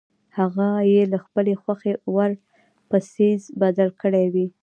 هغه یې د خپلې خوښې وړ په څیز بدل کړی وي.